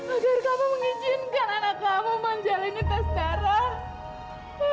agar kamu mengizinkan anak kamu menjalani tes darah